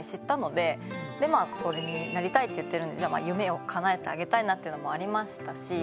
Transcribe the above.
でまあそれになりたいって言ってるんで夢をかなえてあげたいなっていうのもありましたし。